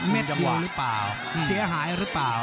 บวมหรือเปล่าเสียหายหรือเปล่า